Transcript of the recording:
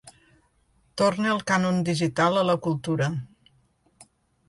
Torna el cànon digital a la cultura.